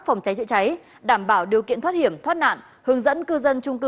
phòng cháy chữa cháy đảm bảo điều kiện thoát hiểm thoát nạn hướng dẫn cư dân trung cư